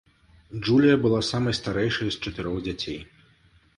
Джулія была самай старэйшай з чатырох дзяцей.